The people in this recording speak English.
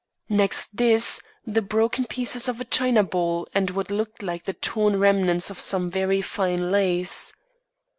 Next this, the broken pieces of a china bowl and what looked like the torn remnants of some very fine lace.